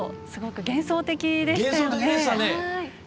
すごく幻想的でしたよね。